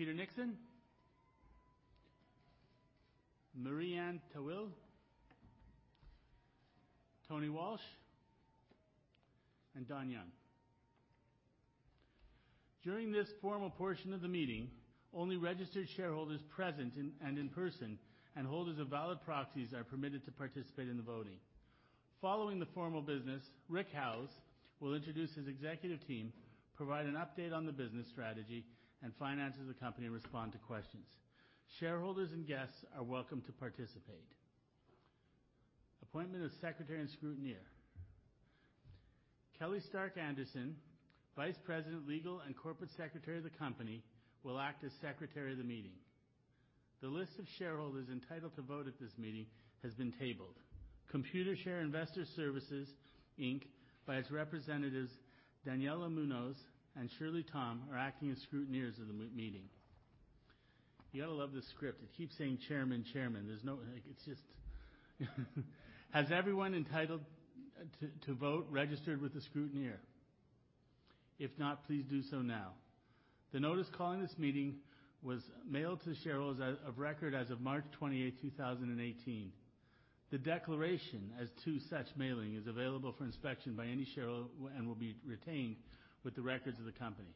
Peter Nixon, Marie-Anne Tawil, Anthony Walsh, and Don Young. During this formal portion of the meeting, only registered shareholders present and in person and holders of valid proxies are permitted to participate in the voting. Following the formal business, Richard Howes will introduce his executive team, provide an update on the business strategy and finance of the company, and respond to questions. Shareholders and guests are welcome to participate. Appointment of Secretary and Scrutineer. Kelly Stark-Anderson, Vice President, Legal and Corporate Secretary of the company, will act as Secretary of the meeting. The list of shareholders entitled to vote at this meeting has been tabled. Computershare Investor Services Inc., by its representatives, Daniella Munoz and Shirley Tom, are acting as scrutineers of the meeting. You got to love this script. It keeps saying, "Chairman," there's no. Has everyone entitled to vote registered with the scrutineer? If not, please do so now. The notice calling this meeting was mailed to shareholders of record as of March 28, 2018. The declaration as to such mailing is available for inspection by any shareholder and will be retained with the records of the company.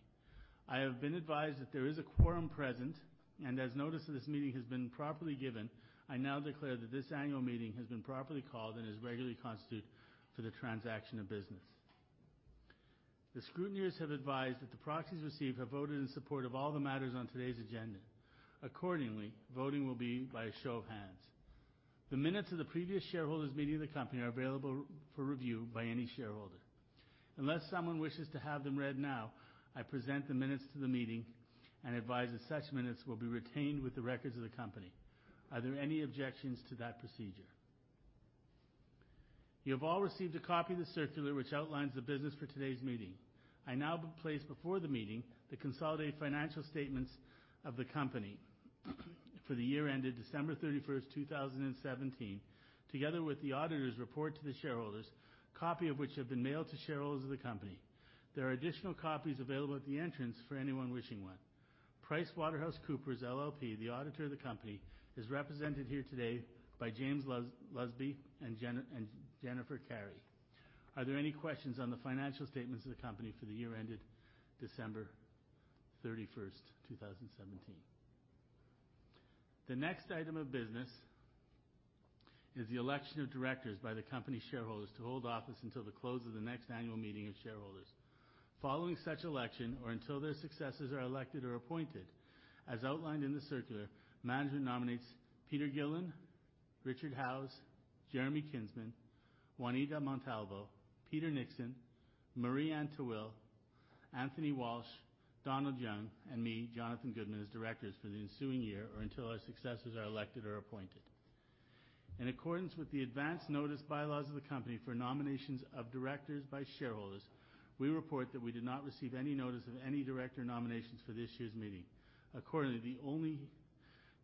I have been advised that there is a quorum present, and as notice of this meeting has been properly given, I now declare that this annual meeting has been properly called and is regularly constituted for the transaction of business. The scrutineers have advised that the proxies received have voted in support of all the matters on today's agenda. Voting will be by a show of hands. The minutes of the previous shareholders meeting of the company are available for review by any shareholder. Unless someone wishes to have them read now, I present the minutes to the meeting and advise that such minutes will be retained with the records of the company. Are there any objections to that procedure? You have all received a copy of the circular, which outlines the business for today's meeting. I now place before the meeting the consolidated financial statements of the company for the year ended December 31st, 2017, together with the auditor's report to the shareholders, copy of which have been mailed to shareholders of the company. There are additional copies available at the entrance for anyone wishing one. PricewaterhouseCoopers LLP, the auditor of the company, is represented here today by James Lusby and Jennifer Cameron. Are there any questions on the financial statements of the company for the year ended December 31st, 2017? The next item of business is the election of directors by the company shareholders to hold office until the close of the next annual meeting of shareholders. Following such election, or until their successors are elected or appointed, as outlined in the circular, management nominates Peter Gillin, Richard Howes, Jeremy Kinsman, Juanita Montalvo, Peter Nixon, Marie-Anne Tawil, Anthony Walsh, Donald Young, and me, Jonathan Goodman, as directors for the ensuing year or until our successors are elected or appointed. In accordance with the advanced notice bylaws of the company for nominations of directors by shareholders, we report that we did not receive any notice of any director nominations for this year's meeting. The only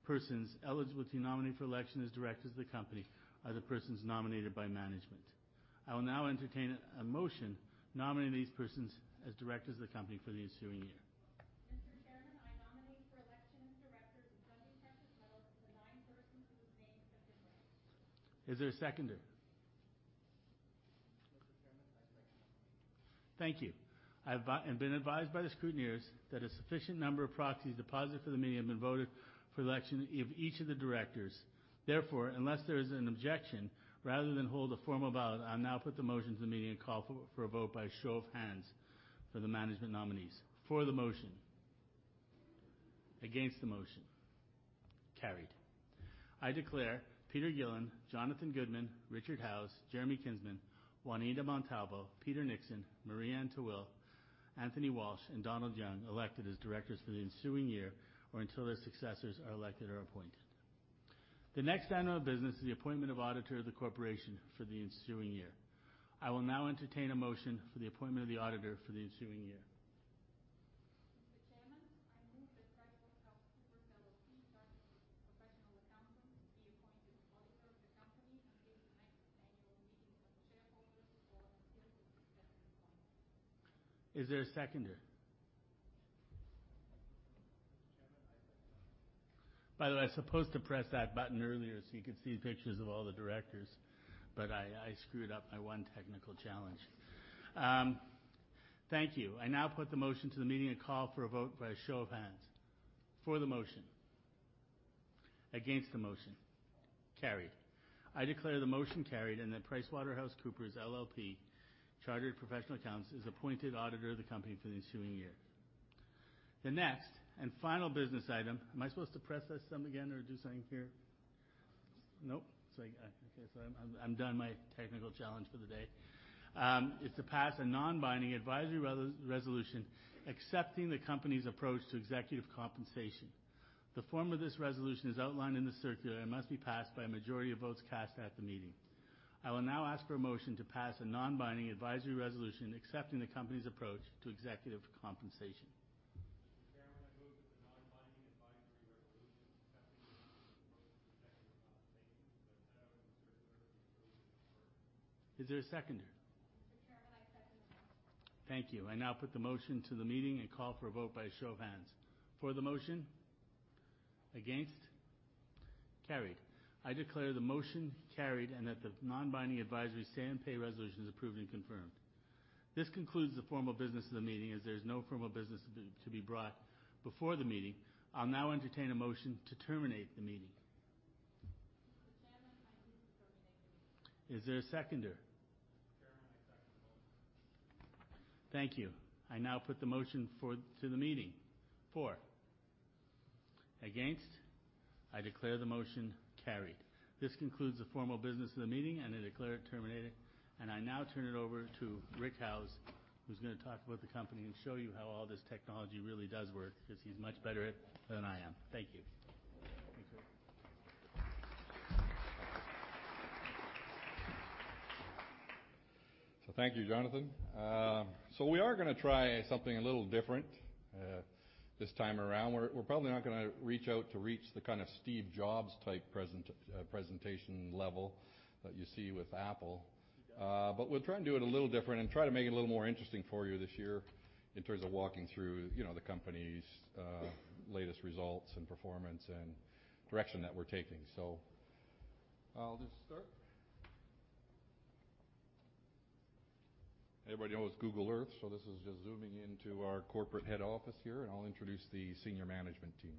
persons eligible to nominate for election as directors of the company are the persons nominated by management. I will now entertain a motion nominating these persons as directors of the company for the ensuing year. Mr. Chairman, I nominate for election as directors of DPM Metals the nine persons whose names have been read. Is there a seconder? Mr. Chairman, I second the motion. Thank you. I have been advised by the scrutineers that a sufficient number of proxies deposited for the meeting have been voted for the election of each of the directors. Unless there is an objection, rather than hold a formal ballot, I'll now put the motion to the meeting and call for a vote by a show of hands for the management nominees. For the motion? Against the motion? Carried. I declare Peter Gillin, Jonathan Goodman, Richard Howes, Jeremy Kinsman, Juanita Montalvo, Peter Nixon, Marie-Anne Tawil, Anthony Walsh, and Donald Young elected as directors for the ensuing year or until their successors are elected or appointed. The next item of business is the appointment of auditor of the corporation for the ensuing year. I will now entertain a motion for the appointment of the auditor for the ensuing year. Mr. Chairman, I move that PricewaterhouseCoopers LLP Chartered Professional Accountants be appointed auditor of the company until the next annual meeting of the shareholders or until the next appointed. Is there a seconder? Mr. Chairman, I second the motion. By the way, I was supposed to press that button earlier so you could see pictures of all the directors. I screwed up my one technical challenge. Thank you. I now put the motion to the meeting and call for a vote by a show of hands. For the motion? Against the motion? Carried. I declare the motion carried and that PricewaterhouseCoopers LLP Chartered Professional Accountants is appointed auditor of the company for the ensuing year. The next and final business item. Am I supposed to press this thumb again or do something here? Nope. Okay, I'm done my technical challenge for the day. Is to pass a non-binding advisory resolution accepting the company's approach to executive compensation. The form of this resolution is outlined in the circular and must be passed by a majority of votes cast at the meeting. I will now ask for a motion to pass a non-binding advisory resolution accepting the company's approach to executive compensation. Is there a seconder? Mr. Chairman, I second the motion. Thank you. I now put the motion to the meeting and call for a vote by a show of hands. For the motion? Against? Carried. I declare the motion carried and that the non-binding advisory say-on-pay resolution is approved and confirmed. This concludes the formal business of the meeting, as there is no formal business to be brought before the meeting. I'll now entertain a motion to terminate the meeting. Mr. Chairman, I move to terminate the meeting. Is there a seconder? Mr. Chairman, I second the motion. Thank you. I now put the motion to the meeting. For? Against? I declare the motion carried. This concludes the formal business of the meeting, and I declare it terminated. I now turn it over to Rick Howes, who's going to talk about the company and show you how all this technology really does work, because he's much better at it than I am. Thank you. Thank you, Jonathan. We are going to try something a little different this time around. We're probably not going to reach out to reach the kind of Steve Jobs type presentation level that you see with Apple. We'll try and do it a little different and try to make it a little more interesting for you this year in terms of walking through the company's latest results and performance and direction that we're taking. I'll just start. Everybody knows Google Earth, this is just zooming into our corporate head office here, and I'll introduce the Senior Management Team.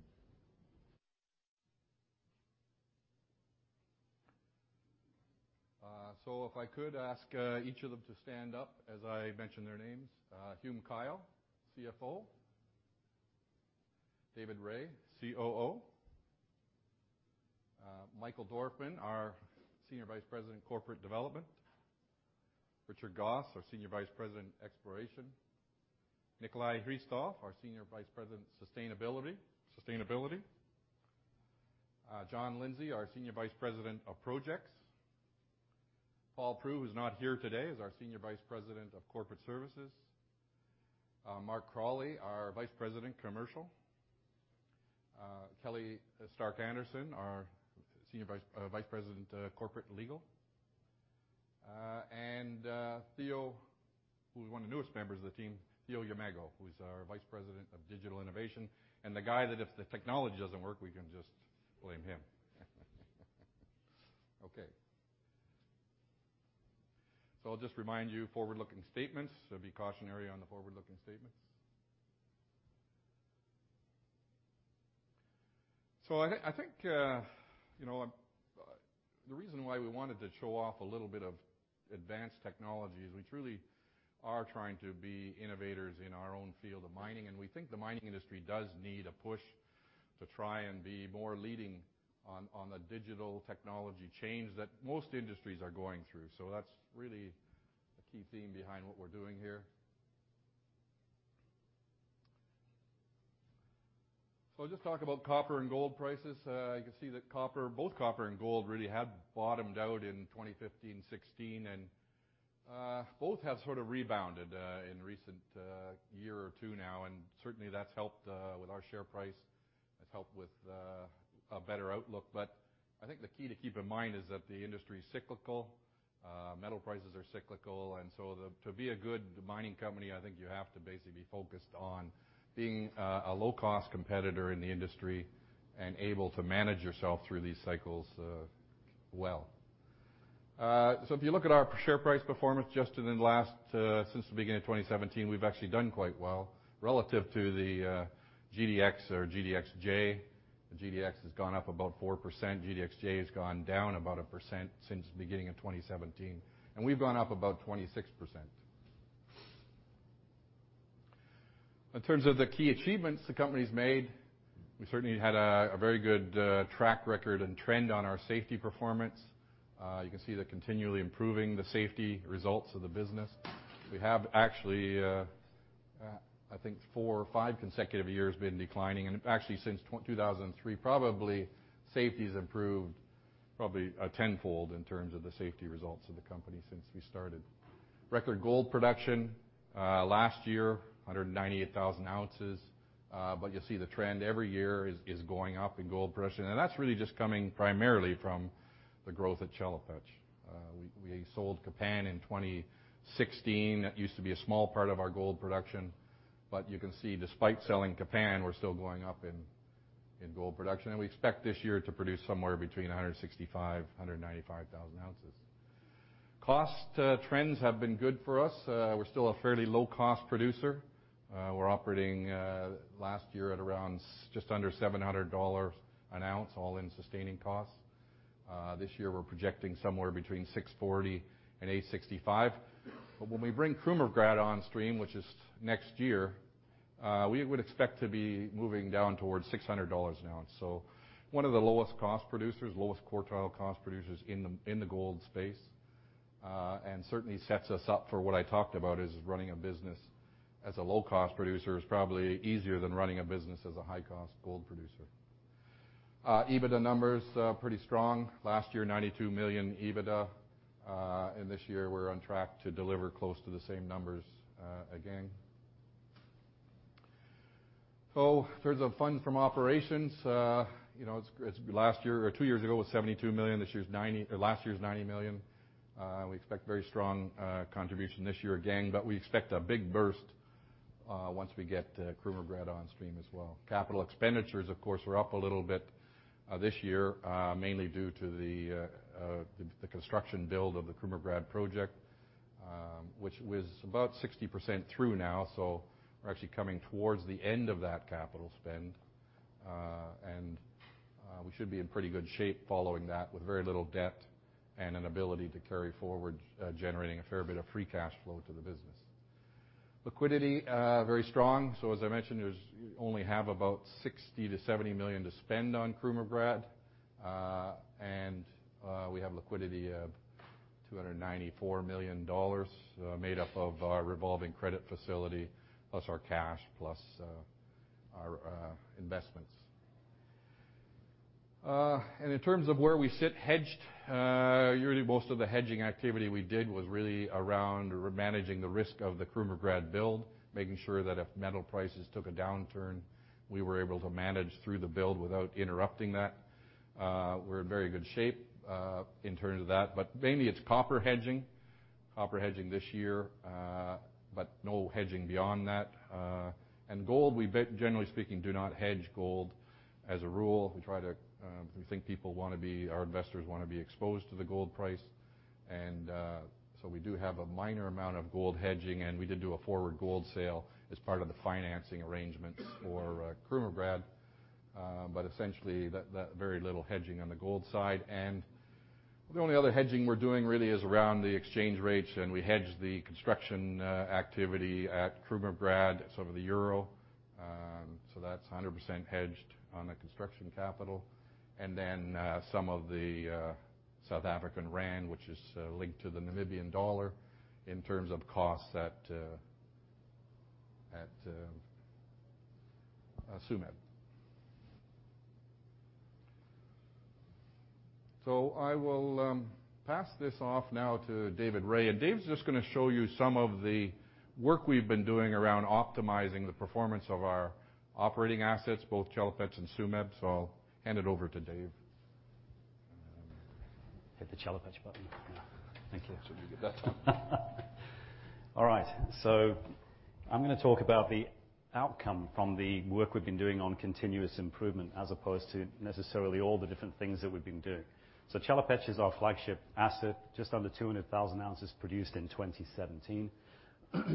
If I could ask each of them to stand up as I mention their names. Hume Kyle, CFO. David Rae, COO. Michael Dorfman, our Senior Vice President of Corporate Development. Richard Gosse, our Senior Vice President of Exploration. Nikolay Hristov, our Senior Vice President of Sustainability. John Lindsay, our Senior Vice President of Projects. Paul Proulx, who's not here today, is our Senior Vice President of Corporate Services. Mark Crawley, our Vice President, Commercial. Kelly Stark-Anderson, our Vice President of Corporate and Legal. Theo, who is one of the newest members of the team, Theo Yamego, who is our Vice President of Digital Innovation, and the guy that if the technology doesn't work, we can just blame him. I'll just remind you, forward-looking statements, there'll be cautionary on the forward-looking statements. I think the reason why we wanted to show off a little bit of advanced technology is we truly are trying to be innovators in our own field of mining, and we think the mining industry does need a push to try and be more leading on the digital technology change that most industries are going through. That's really a key theme behind what we're doing here. I'll just talk about copper and gold prices. You can see that both copper and gold really had bottomed out in 2015 and 2016, and both have sort of rebounded in recent year or two now, and certainly that's helped with our share price. That's helped with a better outlook. I think the key to keep in mind is that the industry is cyclical. Metal prices are cyclical. To be a good mining company, I think you have to basically be focused on being a low-cost competitor in the industry and able to manage yourself through these cycles well. If you look at our share price performance just in the last-- since the beginning of 2017, we've actually done quite well relative to the GDX or GDXJ. The GDX has gone up about 4%. GDXJ has gone down about 1% since the beginning of 2017. We've gone up about 26%. In terms of the key achievements the company's made, we certainly had a very good track record and trend on our safety performance. You can see they're continually improving the safety results of the business. We have actually, I think four or five consecutive years been declining. Actually, since 2003, probably safety's improved probably tenfold in terms of the safety results of the company since we started. Record gold production last year, 198,000 ounces. You'll see the trend every year is going up in gold production, and that's really just coming primarily from the growth at Chelopech. We sold Kapan in 2016. That used to be a small part of our gold production. You can see despite selling Kapan, we're still going up in gold production, and we expect this year to produce somewhere between 165,000-195,000 ounces. Cost trends have been good for us. We're still a fairly low-cost producer. We're operating last year at around just under $700 an ounce, all-in sustaining costs. This year, we're projecting somewhere between $640 and $865. When we bring Krumovgrad on stream, which is next year, we would expect to be moving down towards $600 an ounce. One of the lowest cost producers, lowest quartile cost producers in the gold space, and certainly sets us up for what I talked about is running a business as a low-cost producer is probably easier than running a business as a high-cost gold producer. EBITDA numbers pretty strong. Last year, $92 million EBITDA, this year we're on track to deliver close to the same numbers again. In terms of funds from operations, two years ago it was $72 million, last year it was $90 million. We expect very strong contribution this year again, but we expect a big burst once we get Krumovgrad on stream as well. Capital expenditures, of course, were up a little bit this year, mainly due to the construction build of the Krumovgrad project, which was about 60% through now, we're actually coming towards the end of that capital spend. We should be in pretty good shape following that with very little debt and an ability to carry forward, generating a fair bit of free cash flow to the business. Liquidity, very strong. As I mentioned, we only have about $60 million-$70 million to spend on Krumovgrad. We have liquidity of $294 million made up of our revolving credit facility, plus our cash, plus our investments. In terms of where we sit hedged, usually most of the hedging activity we did was really around managing the risk of the Krumovgrad build, making sure that if metal prices took a downturn, we were able to manage through the build without interrupting that. We're in very good shape in terms of that. Mainly it's copper hedging this year, but no hedging beyond that. Gold, we generally speaking do not hedge gold as a rule. We think our investors want to be exposed to the gold price. We do have a minor amount of gold hedging, and we did do a forward gold sale as part of the financing arrangements for Krumovgrad. Essentially, very little hedging on the gold side. The only other hedging we're doing really is around the exchange rates, we hedge the construction activity at Krumovgrad, some of the euro. That's 100% hedged on the construction capital. Then some of the South African rand, which is linked to the Namibian dollar in terms of costs at Tsumeb. I will pass this off now to David Rae. Dave's just going to show you some of the work we've been doing around optimizing the performance of our operating assets, both Chelopech and Tsumeb. I'll hand it over to Dave. Hit the Chelopech button. Thank you. Should be good that time. All right. I'm going to talk about the outcome from the work we've been doing on continuous improvement as opposed to necessarily all the different things that we've been doing. Chelopech is our flagship asset, just under 200,000 ounces produced in 2017.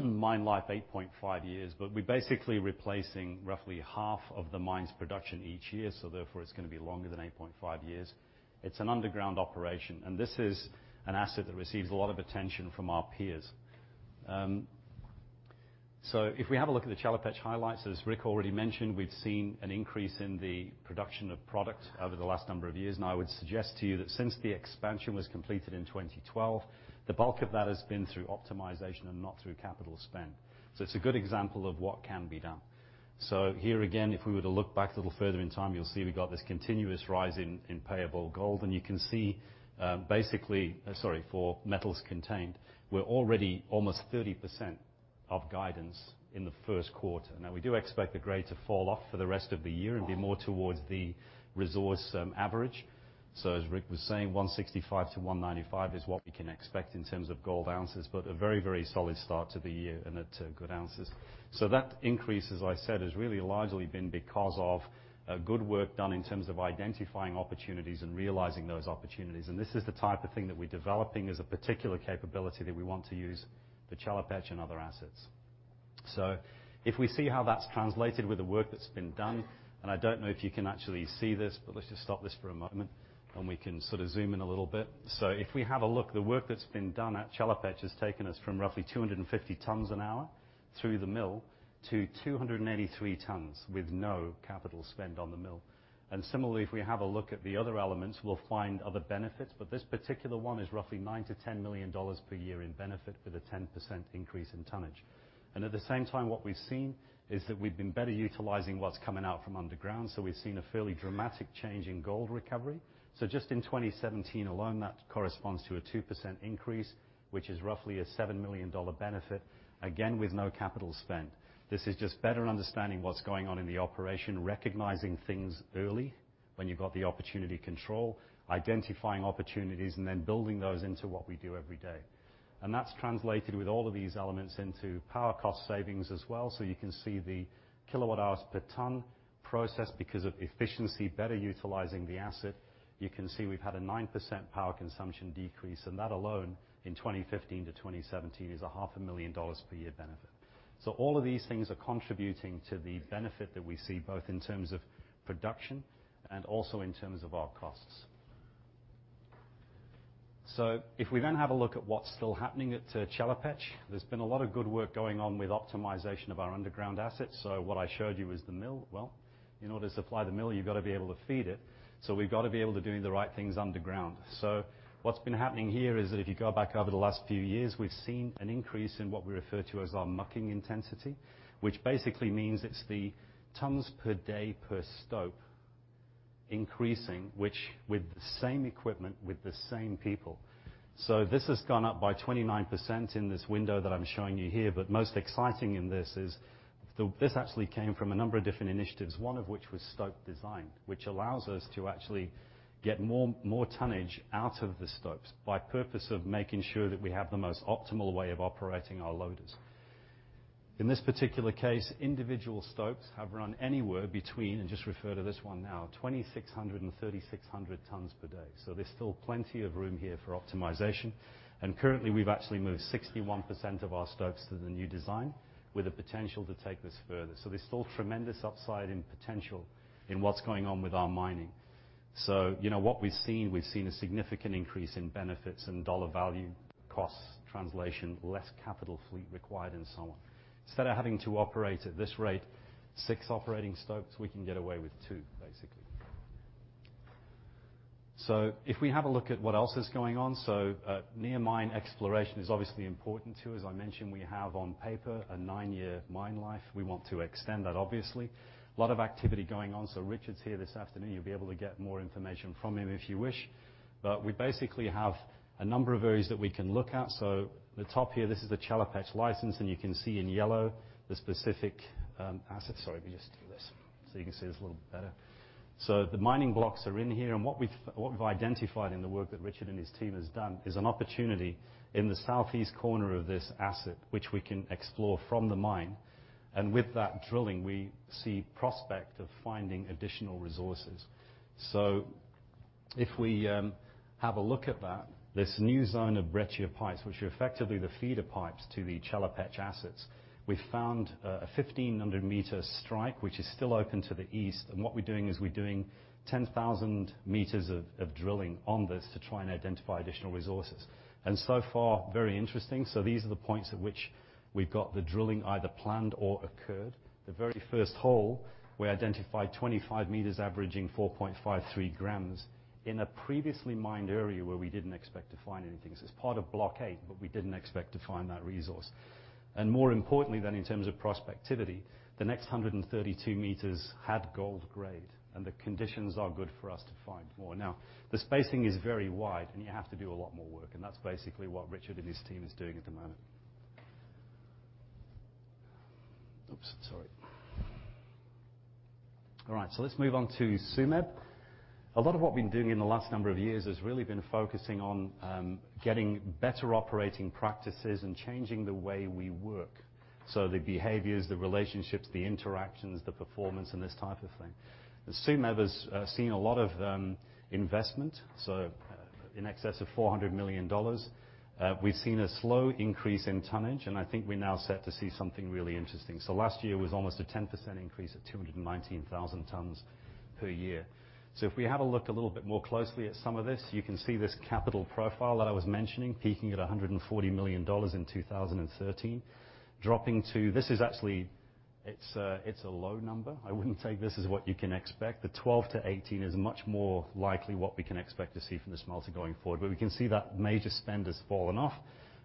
Mine life 8.5 years. We're basically replacing roughly half of the mine's production each year, therefore it's going to be longer than 8.5 years. It's an underground operation. This is an asset that receives a lot of attention from our peers. If we have a look at the Chelopech highlights, as Rick already mentioned, we've seen an increase in the production of product over the last number of years. I would suggest to you that since the expansion was completed in 2012, the bulk of that has been through optimization and not through capital spend. It's a good example of what can be done. Here again, if we were to look back a little further in time, you'll see we got this continuous rise in payable gold, and you can see, basically Sorry, for metals contained. We're already almost 30% of guidance in the first quarter. Now we do expect the grade to fall off for the rest of the year and be more towards the resource average. As Rick was saying, 165 to 195 is what we can expect in terms of gold ounces, but a very solid start to the year and at good ounces. That increase, as I said, has really largely been because of good work done in terms of identifying opportunities and realizing those opportunities. This is the type of thing that we're developing as a particular capability that we want to use for Chelopech and other assets. If we see how that's translated with the work that's been done, and I don't know if you can actually see this, but let's just stop this for a moment and we can sort of zoom in a little bit. If we have a look, the work that's been done at Chelopech has taken us from roughly 250 tons an hour through the mill to 283 tons with no capital spent on the mill. Similarly, if we have a look at the other elements, we'll find other benefits, but this particular one is roughly 9 million-10 million dollars per year in benefit with a 10% increase in tonnage. At the same time, what we've seen is that we've been better utilizing what's coming out from underground, so we've seen a fairly dramatic change in gold recovery. Just in 2017 alone, that corresponds to a 2% increase, which is roughly a 7 million dollar benefit, again with no capital spent. This is just better understanding what's going on in the operation, recognizing things early when you've got the opportunity control, identifying opportunities, and then building those into what we do every day. That's translated with all of these elements into power cost savings as well. You can see the kilowatt hours per ton processed because of efficiency, better utilizing the asset. You can see we've had a 9% power consumption decrease, and that alone in 2015 to 2017 is a half a million CAD per year benefit. All of these things are contributing to the benefit that we see both in terms of production and also in terms of our costs. If we then have a look at what's still happening at Chelopech, there's been a lot of good work going on with optimization of our underground assets. What I showed you was the mill. Well, in order to supply the mill, you've got to be able to feed it. We've got to be able to doing the right things underground. What's been happening here is that if you go back over the last few years, we've seen an increase in what we refer to as our mucking intensity, which basically means it's the tons per day per stope increasing, which with the same equipment, with the same people. This has gone up by 29% in this window that I'm showing you here. Most exciting in this is, this actually came from a number of different initiatives, one of which was stope design, which allows us to actually get more tonnage out of the stopes by purpose of making sure that we have the most optimal way of operating our loaders. In this particular case, individual stopes have run anywhere between, and just refer to this one now, 2,600-3,600 tons per day. There's still plenty of room here for optimization. Currently, we've actually moved 61% of our stopes to the new design, with the potential to take this further. There's still tremendous upside in potential in what's going on with our mining. What we've seen, we've seen a significant increase in benefits and CAD value, costs, translation, less capital fleet required, and so on. Instead of having to operate at this rate, six operating stopes, we can get away with two, basically. If we have a look at what else is going on, near mine exploration is obviously important, too. As I mentioned, we have on paper a nine-year mine life. We want to extend that obviously. A lot of activity going on. Richard's here this afternoon, you'll be able to get more information from him if you wish. We basically have a number of areas that we can look at. The top here, this is the Chelopech license, and you can see in yellow the specific assets. Sorry, let me just do this so you can see this a little better. The mining blocks are in here, and what we've identified in the work that Richard and his team has done is an opportunity in the southeast corner of this asset, which we can explore from the mine. With that drilling, we see prospect of finding additional resources. If we have a look at that, this new zone of breccia pipes, which are effectively the feeder pipes to the Chelopech assets, we found a 1,500-meter strike, which is still open to the east. What we're doing is we're doing 10,000 meters of drilling on this to try and identify additional resources. So far, very interesting. These are the points at which we've got the drilling either planned or occurred. The very first hole, we identified 25 meters averaging 4.53 grams in a previously mined area where we didn't expect to find anything. This is part of block A, but we didn't expect to find that resource. More importantly then in terms of prospectivity, the next 132 meters had gold grade, and the conditions are good for us to find more. Now, the spacing is very wide, and you have to do a lot more work, and that's basically what Richard and his team is doing at the moment. Oops, sorry. All right, let's move on to Tsumeb. A lot of what we've been doing in the last number of years has really been focusing on getting better operating practices and changing the way we work. The behaviors, the relationships, the interactions, the performance, and this type of thing. Tsumeb has seen a lot of investment, in excess of $400 million. We've seen a slow increase in tonnage, and I think we're now set to see something really interesting. Last year was almost a 10% increase at 219,000 tons per year. If we have a look a little bit more closely at some of this, you can see this capital profile that I was mentioning, peaking at $140 million in 2013, dropping to This is actually a low number. I wouldn't say this is what you can expect. The $12 million-$18 million is much more likely what we can expect to see from the smelter going forward. We can see that major spend has fallen off,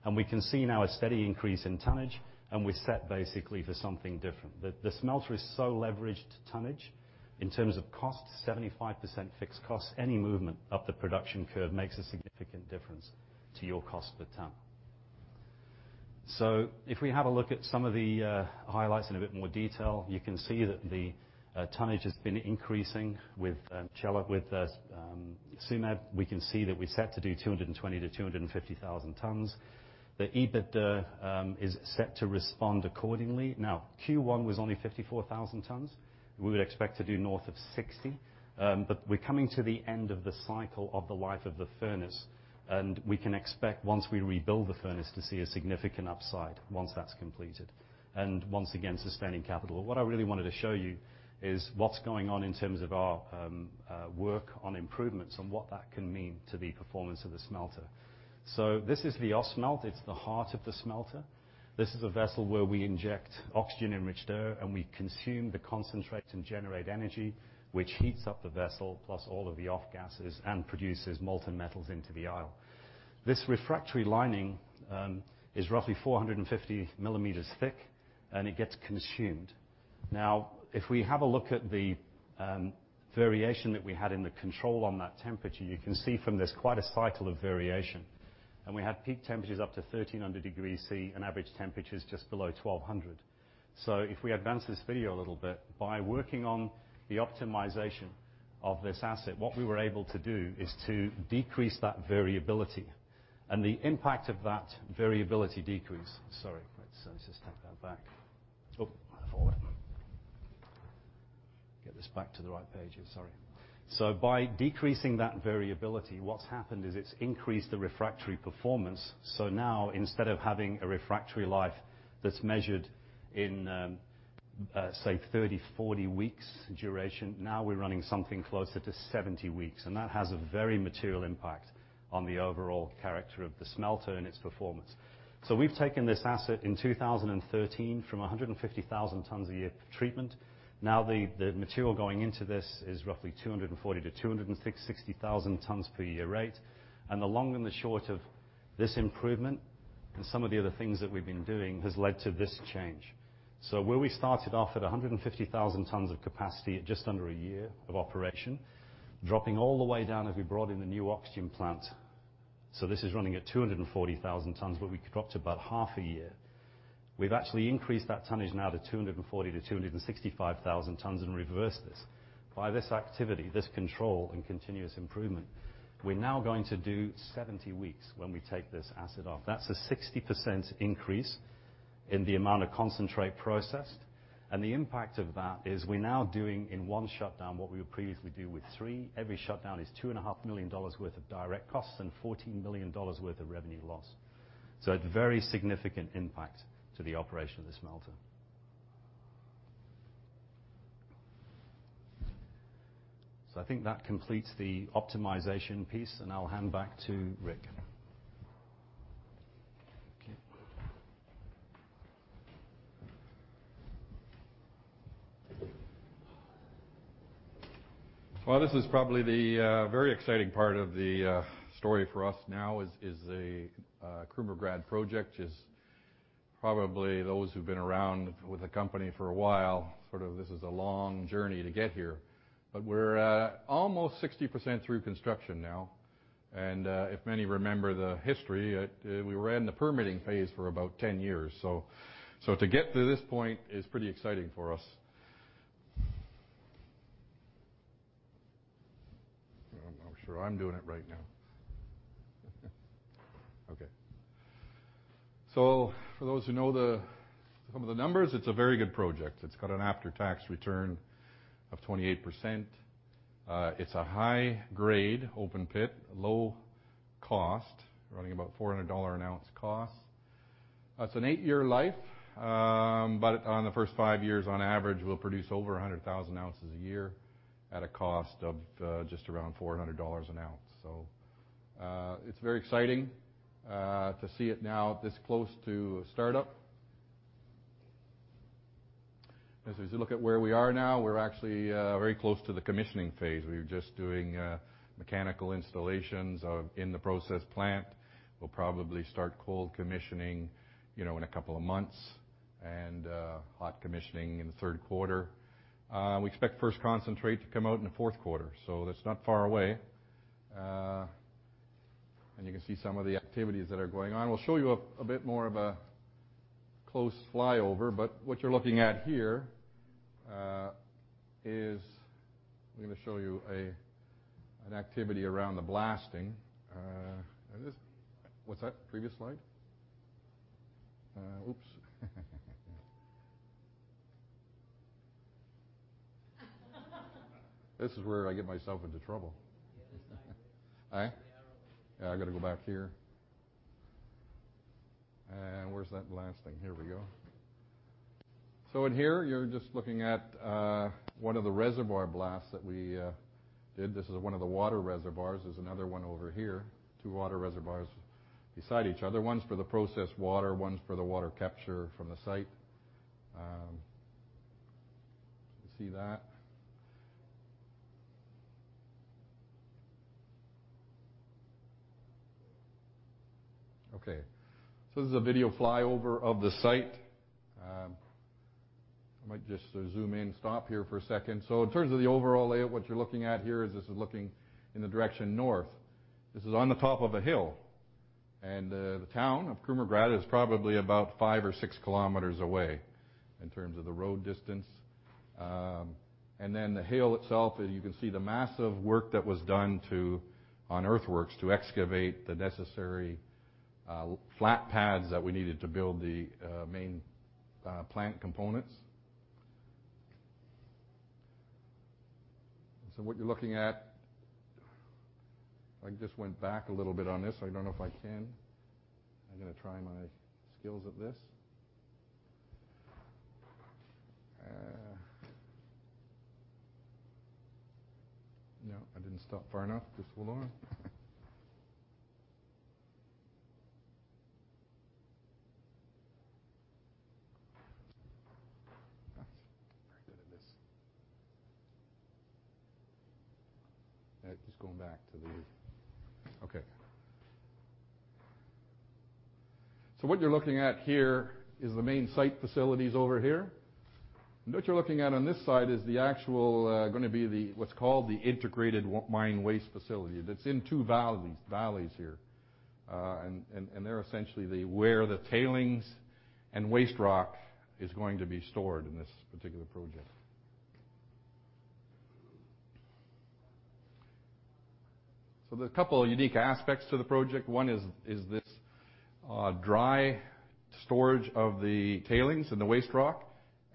and we can see now a steady increase in tonnage, and we're set basically for something different. The smelter is so leveraged to tonnage. In terms of cost, 75% fixed cost, any movement up the production curve makes a significant difference to your cost per ton. If we have a look at some of the highlights in a bit more detail, you can see that the tonnage has been increasing with Tsumeb. We can see that we're set to do 220,000-250,000 tons. The EBITDA is set to respond accordingly. Q1 was only 54,000 tons. We would expect to do north of 60. We're coming to the end of the cycle of the life of the furnace, and we can expect, once we rebuild the furnace, to see a significant upside once that's completed. Once again, suspending capital. What I really wanted to show you is what's going on in terms of our work on improvements and what that can mean to the performance of the smelter. This is the Ausmelt. It's the heart of the smelter. This is a vessel where we inject oxygen-enriched air, and we consume the concentrate and generate energy, which heats up the vessel, plus all of the off-gases and produces molten metals into the aisle. This refractory lining is roughly 450 millimeters thick, and it gets consumed. If we have a look at the variation that we had in the control on that temperature, you can see from this quite a cycle of variation. We have peak temperatures up to 1,300 degrees Celsius, and average temperature is just below 1,200. If we advance this video a little bit, by working on the optimization of this asset, what we were able to do is to decrease that variability. The impact of that variability decrease, sorry, let's just take that back. I fall back. Get this back to the right pages, sorry. By decreasing that variability, what's happened is it's increased the refractory performance. Now instead of having a refractory life that's measured in, say, 30-40 weeks duration, now we're running something closer to 70 weeks, and that has a very material impact on the overall character of the smelter and its performance. We've taken this asset in 2013 from 150,000 tons a year treatment. The material going into this is roughly 240,000-260,000 tons per year rate. The long and the short of this improvement, and some of the other things that we've been doing has led to this change. Where we started off at 150,000 tons of capacity at just under a year of operation, dropping all the way down as we brought in the new oxygen plant. This is running at 240,000 tons, where we dropped about half a year. We've actually increased that tonnage now to 240,000-265,000 tons and reversed this. By this activity, this control and continuous improvement, we're now going to do 70 weeks when we take this asset off. That's a 60% increase in the amount of concentrate processed, and the impact of that is we're now doing in one shutdown what we would previously do with three. Every shutdown is 2.5 million dollars worth of direct costs and 14 million dollars worth of revenue loss. A very significant impact to the operation of this smelter. I think that completes the optimization piece, and I'll hand back to Rick. Okay. This is probably the very exciting part of the story for us now is the Krumovgrad project. Just probably those who've been around with the company for a while, this is a long journey to get here. We're at almost 60% through construction now. If many remember the history, we were in the permitting phase for about 10 years. To get to this point is pretty exciting for us. I'm not sure I'm doing it right now. For those who know some of the numbers, it's a very good project. It's got an after-tax return of 28%. It's a high-grade open pit, low cost, running about $400 an ounce cost. It's an eight-year life. On the first five years, on average, we'll produce over 100,000 ounces a year at a cost of just around $400 an ounce. It's very exciting to see it now this close to startup. As we look at where we are now, we're actually very close to the commissioning phase. We're just doing mechanical installations in the process plant. We'll probably start cold commissioning in a couple of months, and hot commissioning in the third quarter. We expect first concentrate to come out in the fourth quarter, that's not far away. You can see some of the activities that are going on. We'll show you a bit more of a close flyover, but what you're looking at here is I'm gonna show you an activity around the blasting. What's that? Previous slide? Oops. This is where I get myself into trouble. The other way. I got to go back here. Where's that blasting? Here we go. In here, you're just looking at one of the reservoir blasts that we did. This is one of the water reservoirs. There's another one over here. Two water reservoirs beside each other. One's for the process water, one's for the water capture from the site. You see that? This is a video flyover of the site. I might just zoom in, stop here for a second. In terms of the overall layout, what you're looking at here is this is looking in the direction north. This is on the top of a hill. The town of Krumovgrad is probably about five or six kilometers away in terms of the road distance. The hill itself, you can see the massive work that was done on earthworks to excavate the necessary flat pads that we needed to build the main plant components. What you're looking at If I could just went back a little bit on this. I don't know if I can. I'm going to try my skills at this. No, I didn't stop far enough. Just hold on. Not very good at this. What you're looking at here is the main site facilities over here. What you're looking at on this side is the actual, gonna be what's called the integrated mine waste facility. That's in two valleys here. They're essentially where the tailings and waste rock is going to be stored in this particular project. There's a couple of unique aspects to the project. One is this dry storage of the tailings and the waste rock,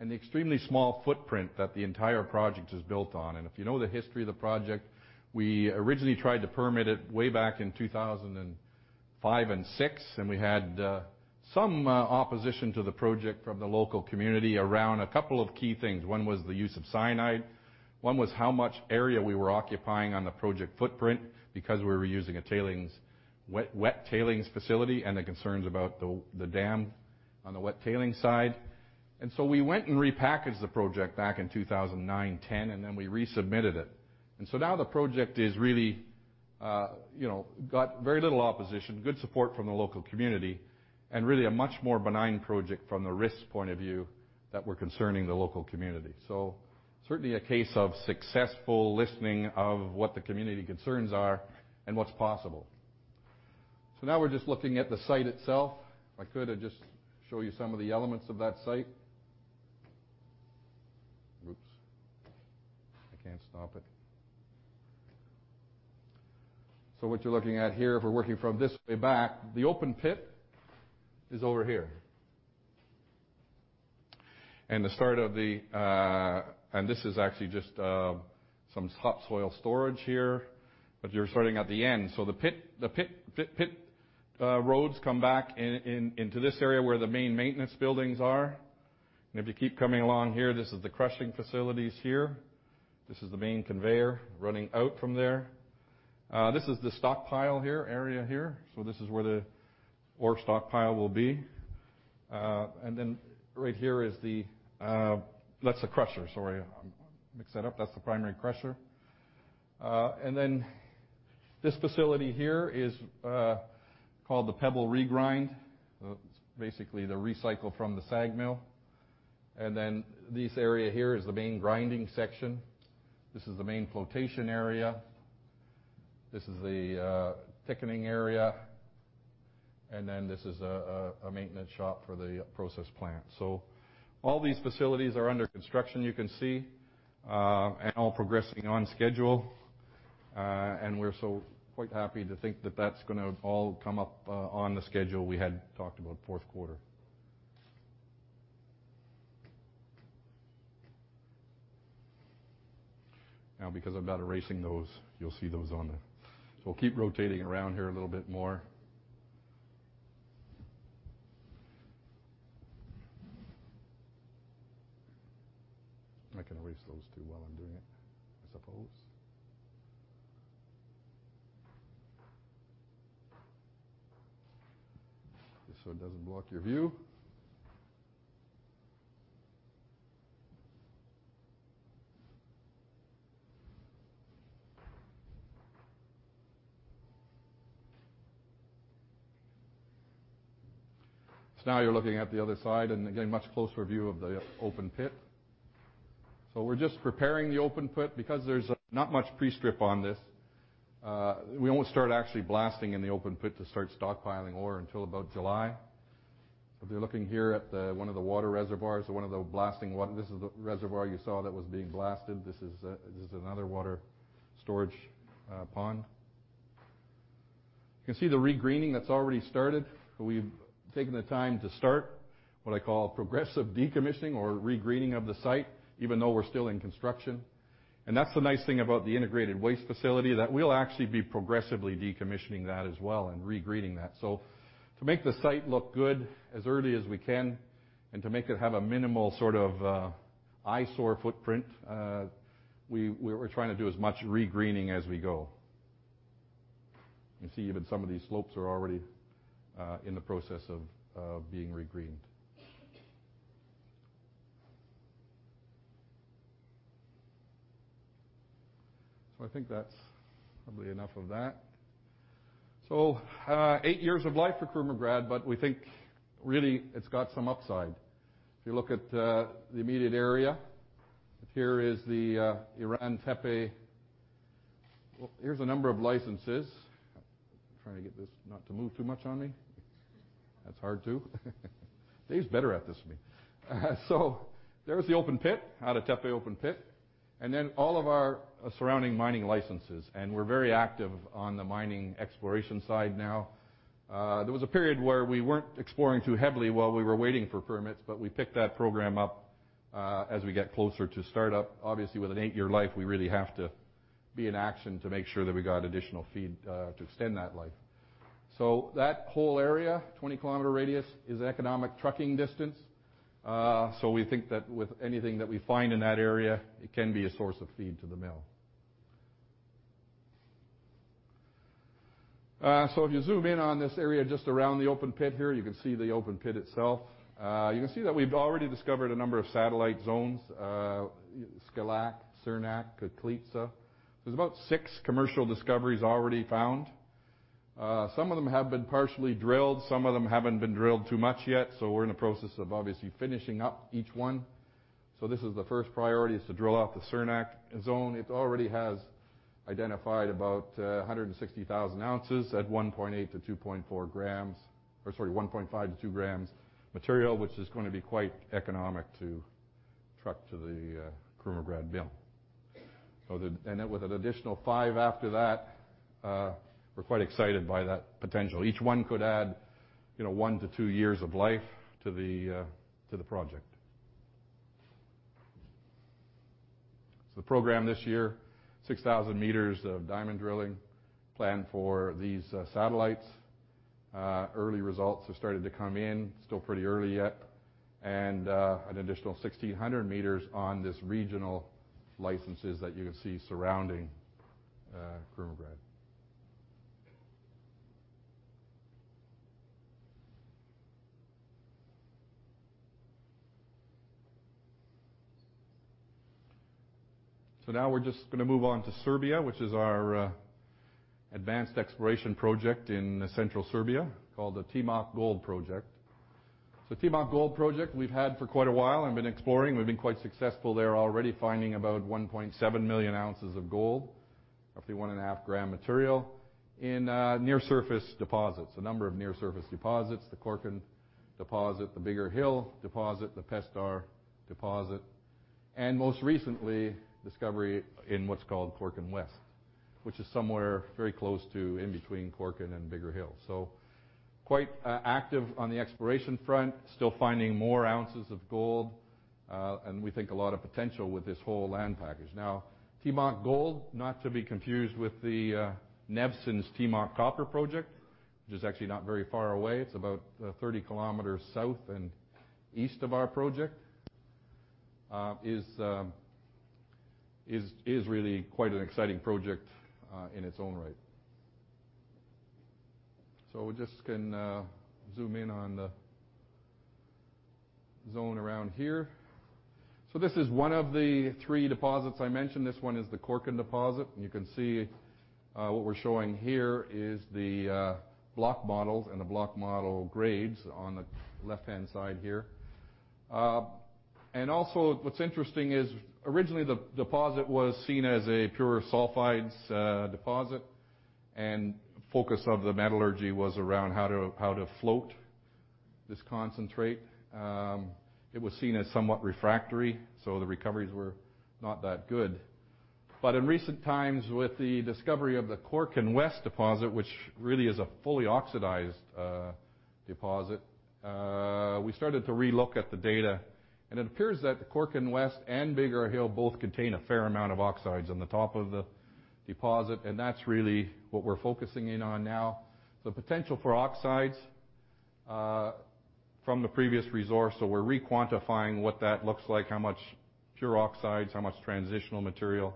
the extremely small footprint that the entire project is built on. If you know the history of the project, we originally tried to permit it way back in 2005 and 2006, and we had some opposition to the project from the local community around a couple of key things. One was the use of cyanide, one was how much area we were occupying on the project footprint because we were using a wet tailings facility, and the concerns about the dam on the wet tailings side. We went and repackaged the project back in 2009, 2010, then we resubmitted it. Now the project has really got very little opposition, good support from the local community, and really a much more benign project from the risk point of view that we're concerning the local community. Certainly a case of successful listening of what the community concerns are and what's possible. Now we're just looking at the site itself. If I could, I'd just show you some of the elements of that site. Oops. I can't stop it. What you're looking at here, if we're working from this way back, the open pit is over here. This is actually just some topsoil storage here, but you're starting at the end. The pit roads come back into this area where the main maintenance buildings are. If you keep coming along here, this is the crushing facilities here. This is the main conveyor running out from there. This is the stockpile area here. This is where the ore stockpile will be. Right here is the That's the crusher. Sorry. I mixed that up. That's the primary crusher. This facility here is called the pebble regrind. It's basically the recycle from the SAG mill. This area here is the main grinding section. This is the main flotation area. This is the thickening area. This is a maintenance shop for the process plant. All these facilities are under construction, you can see, and all progressing on schedule. We're so quite happy to think that's going to all come up on the schedule we had talked about fourth quarter. Because I'm not erasing those, you'll see those on the. I'll keep rotating around here a little bit more. I can erase those too while I'm doing it, I suppose. Just so it doesn't block your view. Now you're looking at the other side, and again, a much closer view of the open pit. We're just preparing the open pit because there's not much pre-strip on this. We won't start actually blasting in the open pit to start stockpiling ore until about July. If you're looking here at one of the water reservoirs or one of the blasting. This is the reservoir you saw that was being blasted. This is another water storage pond. You can see the regreening that's already started. We've taken the time to start what I call progressive decommissioning or regreening of the site, even though we're still in construction. That's the nice thing about the integrated mine waste facility, that we'll actually be progressively decommissioning that as well and regreening that. To make the site look good as early as we can and to make it have a minimal eyesore footprint, we're trying to do as much regreening as we go. You can see even some of these slopes are already in the process of being regreened. I think that's probably enough of that. Eight years of life for Krumovgrad, but we think really it's got some upside. If you look at the immediate area, here is the Ada Tepe. Well, here's a number of licenses. I'm trying to get this not to move too much on me. That's hard to do. David's better at this than me. There's the open pit, Ada Tepe open pit, and then all of our surrounding mining licenses, and we're very active on the mining exploration side now. There was a period where we weren't exploring too heavily while we were waiting for permits, but we picked that program up as we get closer to startup. Obviously, with an eight-year life, we really have to be in action to make sure that we got additional feed to extend that life. That whole area, 20-kilometer radius, is economic trucking distance. We think that with anything that we find in that area, it can be a source of feed to the mill. If you zoom in on this area just around the open pit here, you can see the open pit itself. You can see that we've already discovered a number of satellite zones, Skalak, Surnak, Kuklitsa. There's about six commercial discoveries already found. Some of them have been partially drilled, some of them haven't been drilled too much yet, we're in the process of obviously finishing up each one. This is the first priority, is to drill out the Surnak zone. It already has identified about 160,000 ounces at 1.8-2.4 grams, or sorry, 1.5-2 grams material, which is going to be quite economic to truck to the Krumovgrad mill. With an additional five after that, we're quite excited by that potential. Each one could add one to two years of life to the project. The program this year, 6,000 meters of diamond drilling planned for these satellites. Early results have started to come in, still pretty early yet. An additional 1,600 meters on these regional licenses that you can see surrounding Krumovgrad. Now we're just going to move on to Serbia, which is our advanced exploration project in central Serbia, called the Timok Gold Project. Timok Gold Project, we've had for quite a while and been exploring. We've been quite successful there already, finding about 1.7 million ounces of gold, roughly 1.5 gram material in near surface deposits, a number of near surface deposits, the Korkan deposit, the Bigar Hill deposit, the Pester deposit, and most recently, discovery in what's called Korkan West, which is somewhere very close to in between Korkan and Bigar Hill. Quite active on the exploration front, still finding more ounces of gold, and we think a lot of potential with this whole land package. Timok Gold, not to be confused with the Nevsun's Timok Copper Project, which is actually not very far away. It's about 30 km south and east of our project. Is really quite an exciting project in its own right. We just can zoom in on the zone around here. This is one of the three deposits I mentioned. This one is the Korkan deposit. You can see, what we're showing here is the block models and the block model grades on the left-hand side here. Also what's interesting is originally the deposit was seen as a pure sulfides deposit, and focus of the metallurgy was around how to float this concentrate. It was seen as somewhat refractory, so the recoveries were not that good. In recent times, with the discovery of the Korkan West deposit, which really is a fully oxidized deposit, we started to re-look at the data. It appears that the Korkan West and Bigar Hill both contain a fair amount of oxides on the top of the deposit, that's really what we're focusing in on now. The potential for oxides, from the previous resource, we're re-quantifying what that looks like, how much pure oxides, how much transitional material,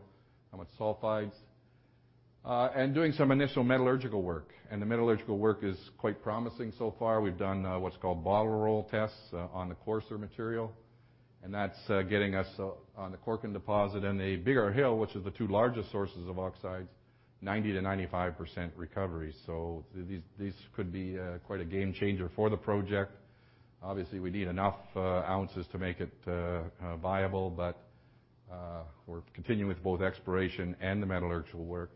how much sulfides, and doing some initial metallurgical work. The metallurgical work is quite promising so far. We've done what's called bottle roll tests on the coarser material, that's getting us on the Korkan deposit and the Bigar Hill, which is the two largest sources of oxides, 90%-95% recovery. These could be quite a game changer for the project. Obviously, we need enough ounces to make it viable, we're continuing with both exploration and the metallurgical work.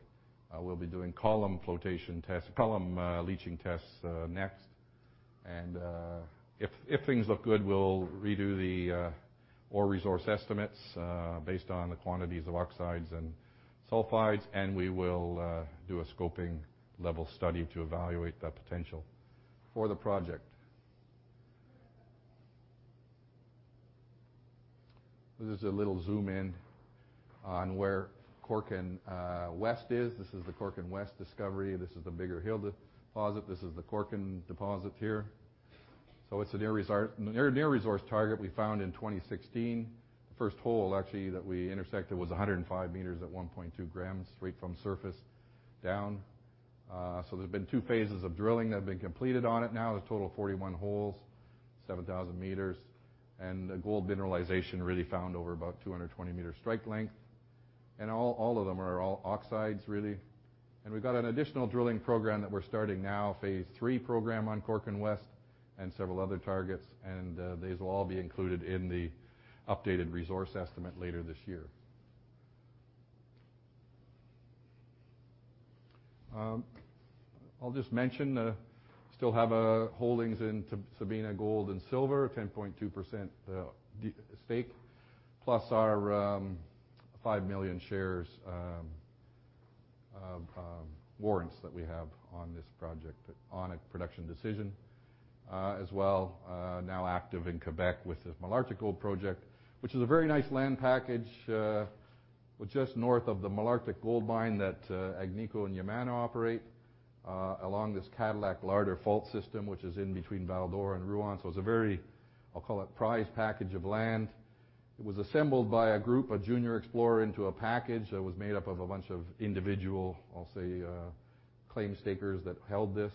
We'll be doing column flotation tests, column leaching tests next. If things look good, we'll redo the ore resource estimates based on the quantities of oxides and sulfides, we will do a scoping level study to evaluate that potential for the project. This is a little zoom in on where Korkan West is. This is the Korkan West discovery. This is the Bigar Hill deposit. This is the Korkan deposit here. It's a near resource target we found in 2016. The first hole actually that we intersected was 105 meters at 1.2 grams straight from surface down. There's been two phases of drilling that have been completed on it now. There's a total of 41 holes, 7,000 meters, and the gold mineralization really found over about 220-meter strike length. All of them are all oxides, really. We've got an additional drilling program that we're starting now, phase 3 program on Korkan West and several other targets, and these will all be included in the updated resource estimate later this year. I'll just mention, still have holdings in Sabina Gold & Silver, 10.2% stake, plus our 5 million shares of warrants that we have on this project on a production decision, as well now active in Quebec with this Malartic Gold Project, which is a very nice land package. We're just north of the Malartic Gold Mine that Agnico and Yamana operate, along this Cadillac-Larder Fault System, which is in between Val-d'Or and Rouyn. It's a very, I'll call it, prize package of land. It was assembled by a group, a junior explorer, into a package that was made up of a bunch of individual, I'll say, claim stakers that held this.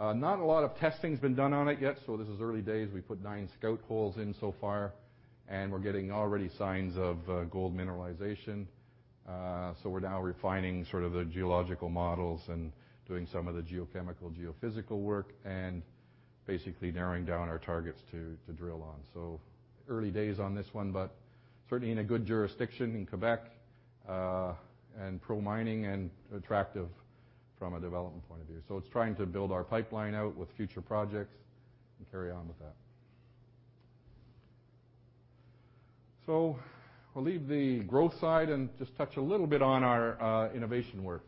Not a lot of testing's been done on it yet. This is early days. We put nine scout holes in so far, and we're getting already signs of gold mineralization. We're now refining sort of the geological models and doing some of the geochemical, geophysical work and basically narrowing down our targets to drill on. Early days on this one, but certainly in a good jurisdiction in Quebec, and pro-mining and attractive from a development point of view. It's trying to build our pipeline out with future projects and carry on with that. We'll leave the growth side and just touch a little bit on our innovation work.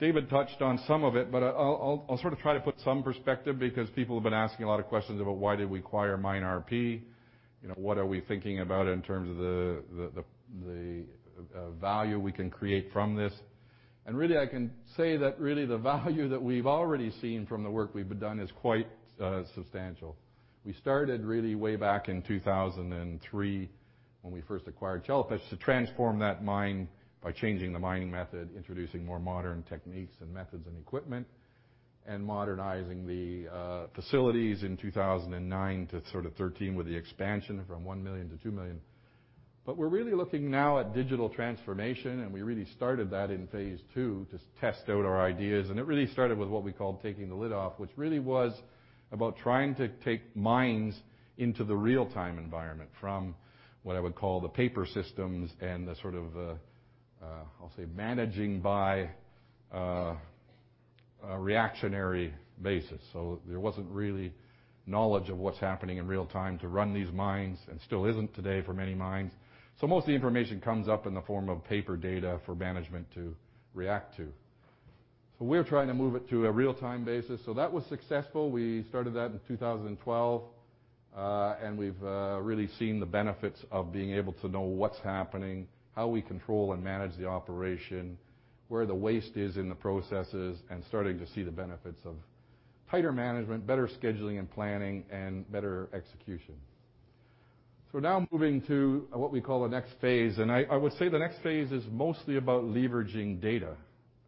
David touched on some of it, but I'll sort of try to put some perspective because people have been asking a lot of questions about why did we acquire MineRP, what are we thinking about in terms of the value we can create from this. Really, I can say that really the value that we've already seen from the work we've done is quite substantial. We started really way back in 2003 when we first acquired Chelopech to transform that mine by changing the mining method, introducing more modern techniques and methods and equipment. Modernizing the facilities in 2009 to sort of 2013 with the expansion from 1 million to 2 million. We're really looking now at digital transformation, and we really started that in phase 2 to test out our ideas. It really started with what we called taking the lid off, which really was about trying to take mines into the real-time environment from what I would call the paper systems and the sort of, I'll say, managing by reactionary basis. There wasn't really knowledge of what's happening in real time to run these mines, and still isn't today for many mines. Most of the information comes up in the form of paper data for management to react to. We're trying to move it to a real-time basis. That was successful. We started that in 2012, and we've really seen the benefits of being able to know what's happening, how we control and manage the operation, where the waste is in the processes, and starting to see the benefits of tighter management, better scheduling and planning, and better execution. We're now moving to what we call the next phase. I would say the next phase is mostly about leveraging data.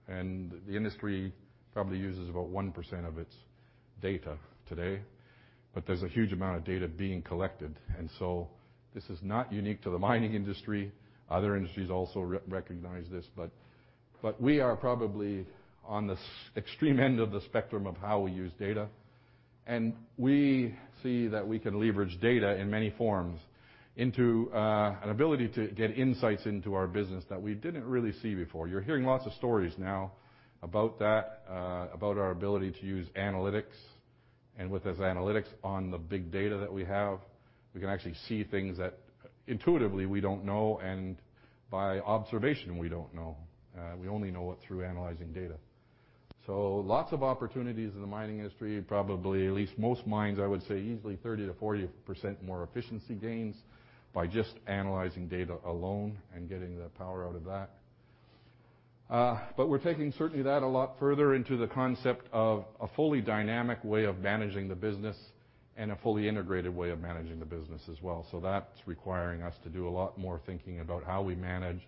The industry probably uses about 1% of its data today, but there's a huge amount of data being collected. This is not unique to the mining industry. Other industries also recognize this, but we are probably on the extreme end of the spectrum of how we use data. We see that we can leverage data in many forms into an ability to get insights into our business that we didn't really see before. You're hearing lots of stories now about that, about our ability to use analytics. With those analytics on the big data that we have, we can actually see things that intuitively we don't know and by observation we don't know. We only know it through analyzing data. Lots of opportunities in the mining industry. Probably at least most mines, I would say, easily 30%-40% more efficiency gains by just analyzing data alone and getting the power out of that. We're taking certainly that a lot further into the concept of a fully dynamic way of managing the business and a fully integrated way of managing the business as well. That's requiring us to do a lot more thinking about how we manage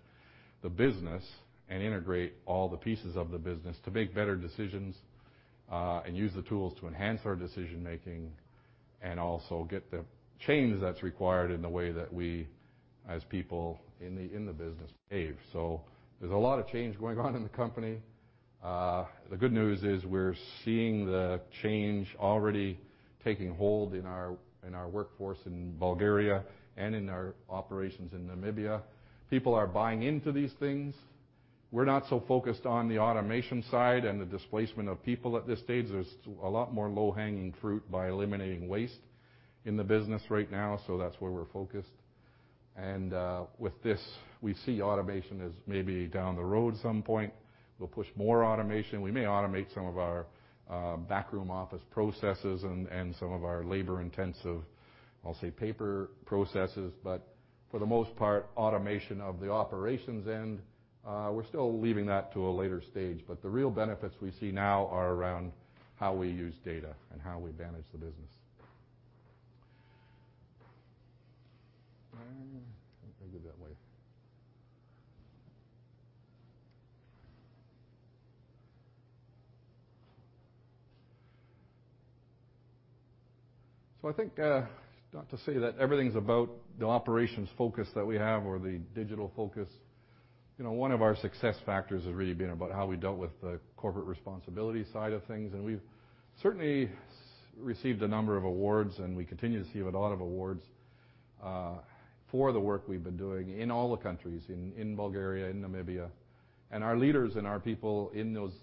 the business and integrate all the pieces of the business to make better decisions, and use the tools to enhance our decision-making, and also get the change that's required in the way that we, as people in the business, behave. There's a lot of change going on in the company. The good news is we're seeing the change already taking hold in our workforce in Bulgaria and in our operations in Namibia. People are buying into these things. We're not so focused on the automation side and the displacement of people at this stage. There's a lot more low-hanging fruit by eliminating waste in the business right now. That's where we're focused. With this, we see automation as maybe down the road some point. We'll push more automation. We may automate some of our backroom office processes and some of our labor-intensive, I'll say, paper processes. For the most part, automation of the operations end, we're still leaving that to a later stage. The real benefits we see now are around how we use data and how we manage the business. Let me do that way. I think not to say that everything's about the operations focus that we have or the digital focus. One of our success factors has really been about how we dealt with the corporate responsibility side of things. We've certainly received a number of awards. We continue to receive a lot of awards for the work we've been doing in all the countries, in Bulgaria, in Namibia. Our leaders and our people in those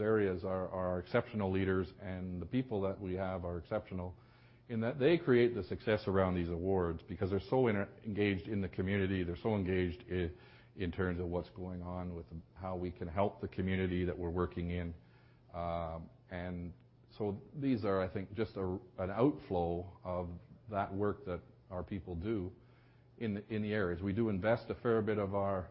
areas are exceptional leaders and the people that we have are exceptional in that they create the success around these awards because they're so engaged in the community, they're so engaged in terms of what's going on with how we can help the community that we're working in. These are, I think, just an outflow of that work that our people do in the areas. We do invest a fair bit of our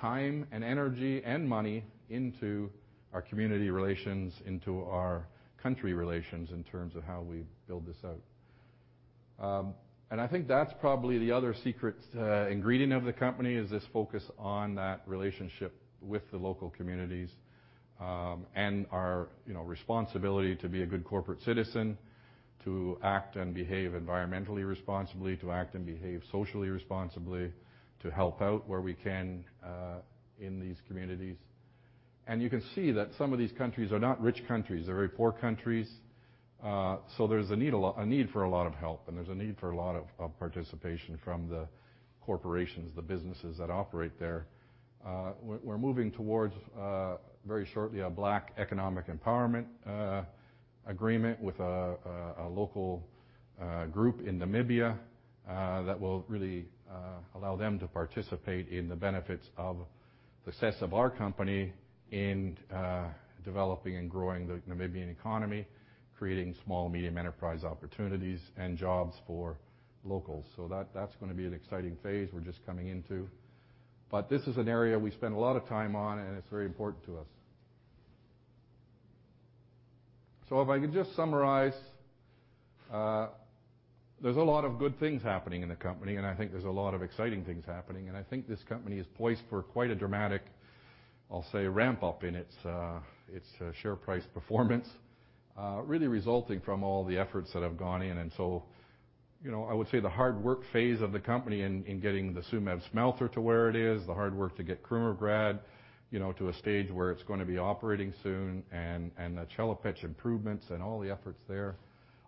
time and energy and money into our community relations, into our country relations in terms of how we build this out. I think that's probably the other secret ingredient of the company is this focus on that relationship with the local communities, and our responsibility to be a good corporate citizen, to act and behave environmentally responsibly, to act and behave socially responsibly, to help out where we can in these communities. You can see that some of these countries are not rich countries. They're very poor countries. There's a need for a lot of help, and there's a need for a lot of participation from the corporations, the businesses that operate there. We're moving towards, very shortly, a Black Economic Empowerment agreement with a local group in Namibia that will really allow them to participate in the benefits of the success of our company in developing and growing the Namibian economy, creating small-medium enterprise opportunities and jobs for locals. That's going to be an exciting phase we're just coming into. This is an area we spend a lot of time on, and it's very important to us. If I could just summarize. There's a lot of good things happening in the company, and I think there's a lot of exciting things happening, and I think this company is poised for quite a dramatic, I'll say, ramp-up in its share price performance, really resulting from all the efforts that have gone in. I would say the hard work phase of the company in getting the Tsumeb smelter to where it is, the hard work to get Krumovgrad to a stage where it's going to be operating soon, and the Chelopech improvements and all the efforts there,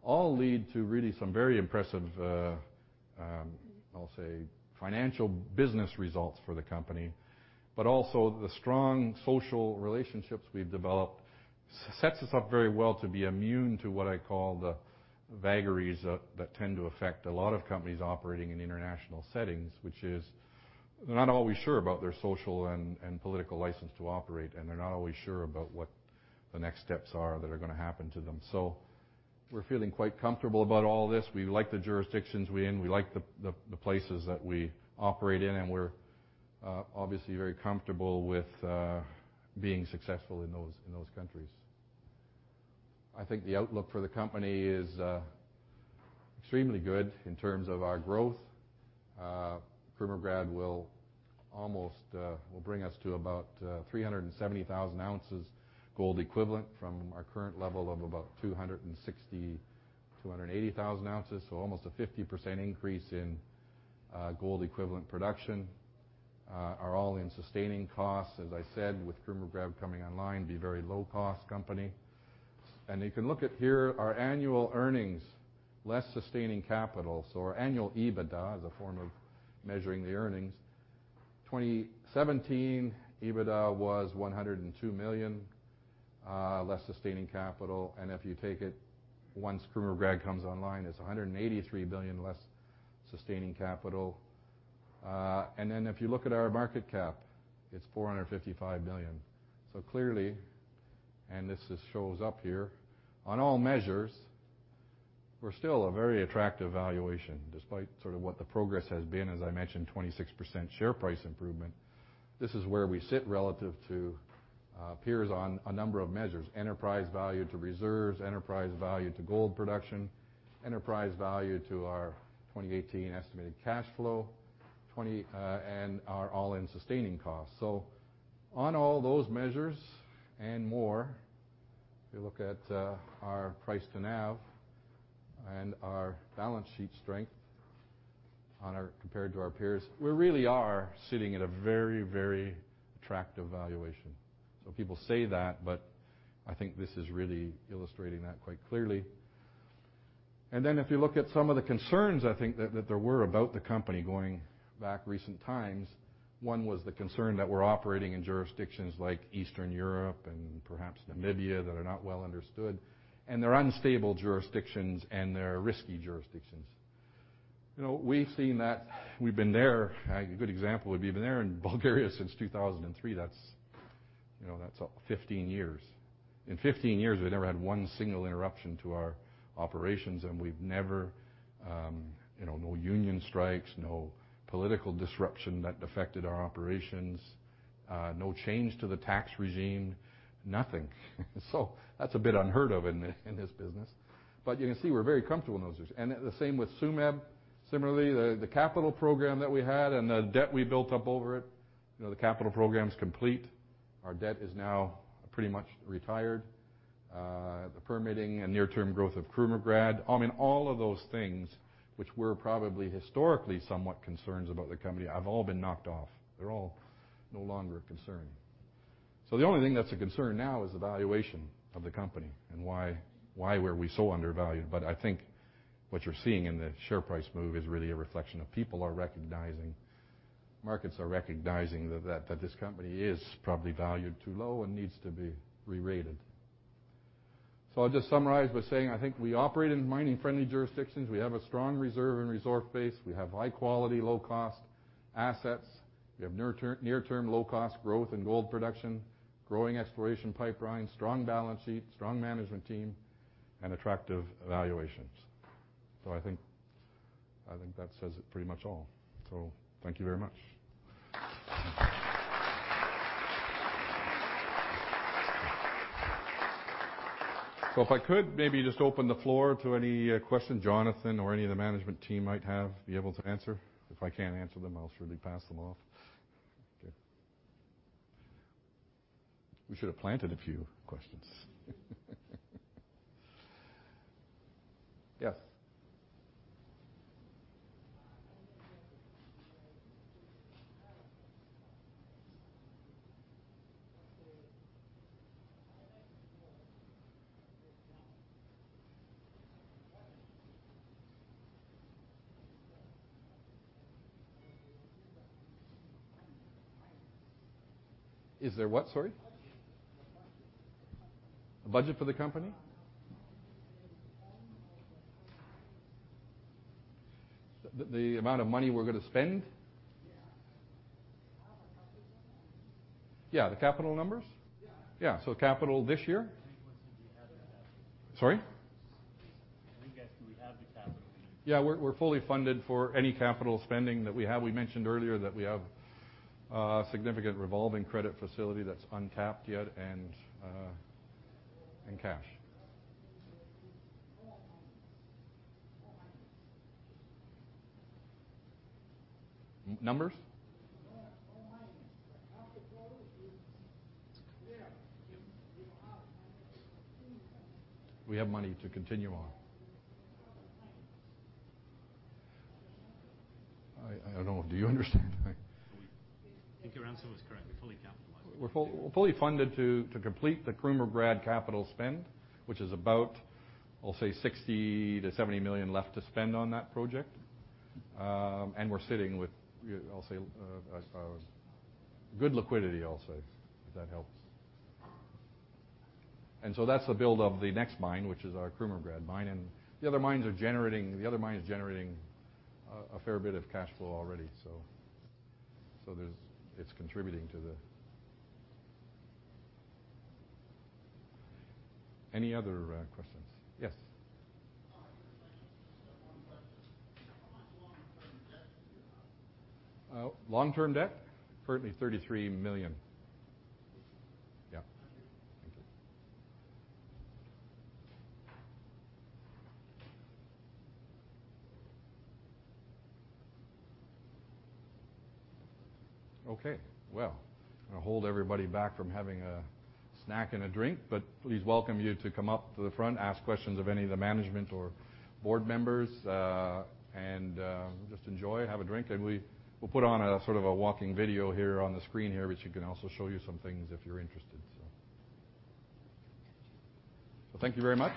all lead to really some very impressive, I'll say, financial business results for the company. Also, the strong social relationships we've developed sets us up very well to be immune to what I call the vagaries that tend to affect a lot of companies operating in international settings, which is they're not always sure about their social and political license to operate, and they're not always sure about what the next steps are that are going to happen to them. We're feeling quite comfortable about all this. We like the jurisdictions we're in, we like the places that we operate in, and we're obviously very comfortable with being successful in those countries. I think the outlook for the company is extremely good in terms of our growth. Krumovgrad will bring us to about 370,000 ounces gold equivalent from our current level of about 260,000, 280,000 ounces, almost a 50% increase in gold equivalent production. Our all-in sustaining costs, as I said, with Krumovgrad coming online, be a very low-cost company. You can look at here our annual earnings, less sustaining capital. Our annual EBITDA is a form of measuring the earnings. 2017, EBITDA was $102 million, less sustaining capital. If you take it once Krumovgrad comes online, it's $183 million less sustaining capital. Then if you look at our market cap, it's $455 million. Clearly, and this just shows up here, on all measures, we're still a very attractive valuation, despite sort of what the progress has been, as I mentioned, 26% share price improvement. This is where we sit relative to peers on a number of measures, enterprise value to reserves, enterprise value to gold production, enterprise value to our 2018 estimated cash flow, and our all-in sustaining costs. On all those measures and more, if you look at our price to NAV and our balance sheet strength compared to our peers, we really are sitting at a very, very attractive valuation. People say that, but I think this is really illustrating that quite clearly. If you look at some of the concerns, I think, that there were about the company going back recent times, one was the concern that we're operating in jurisdictions like Eastern Europe and perhaps Namibia that are not well understood, and they're unstable jurisdictions and they're risky jurisdictions. We've seen that. We've been there. A good example would be we've been there in Bulgaria since 2003. That's 15 years. In 15 years, we've never had one single interruption to our operations, and we've never no union strikes, no political disruption that affected our operations, no change to the tax regime, nothing. That's a bit unheard of in this business. You can see we're very comfortable in those jurisdictions. The same with Tsumeb. Similarly, the capital program that we had and the debt we built up over it, the capital program's complete. Our debt is now pretty much retired. The permitting and near-term growth of Krumovgrad, all of those things which were probably historically somewhat concerns about the company have all been knocked off. They're all no longer a concern. The only thing that's a concern now is the valuation of the company and why were we so undervalued. I think what you're seeing in the share price move is really a reflection of people are recognizing, markets are recognizing that this company is probably valued too low and needs to be re-rated. I'll just summarize by saying, I think we operate in mining-friendly jurisdictions. We have a strong reserve and resource base. We have high-quality, low-cost assets. We have near-term, low-cost growth in gold production, growing exploration pipeline, strong balance sheet, strong management team, and attractive valuations. I think that says it pretty much all. Thank you very much. If I could maybe just open the floor to any questions Jonathan or any of the management team might have, be able to answer. If I can't answer them, I'll surely pass them off. Okay. We should have planted a few questions. Yes. Is there what, sorry? Budget. The budget for the company. The budget for the company? Yeah. The amount of money we're going to spend? Yeah. Do you have the capital numbers? Yeah. Capital this year? Sorry? I think that we have the capital numbers. Yeah, we're fully funded for any capital spending that we have. We mentioned earlier that we have a significant revolving credit facility that's untapped yet and cash. Numbers? Yeah. The capital flow is there. You have money to continue. We have money to continue on. Yes. How much money? I don't know. Do you understand? I think your answer was correct. We're fully capitalized. We're fully funded to complete the Krumovgrad capital spend, which is about, I'll say, $60 million-$70 million left to spend on that project. We're sitting with, I'll say, good liquidity, I'll say, if that helps. That's the build of the next mine, which is our Krumovgrad mine, and the other mine is generating a fair bit of cash flow already, so it's contributing to the Any other questions? Yes. Hi. Thank you. Just one question. How much long-term debt do you have? Long-term debt? Currently $33 million. Okay. Yeah. Thank you. Thank you. Okay, well, I'm going to hold everybody back from having a snack and a drink, please welcome you to come up to the front, ask questions of any of the management or board members, and just enjoy, have a drink. We'll put on a sort of a walking video here on the screen here, which you can also show you some things if you're interested. Thank you very much.